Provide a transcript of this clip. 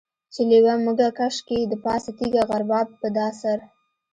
چې لېوه مږه کش کي دپاسه تيږه غربا په دا سر.